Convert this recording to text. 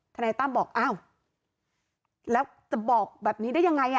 นายตั้มบอกอ้าวแล้วจะบอกแบบนี้ได้ยังไง